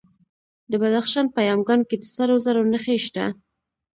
د بدخشان په یمګان کې د سرو زرو نښې شته.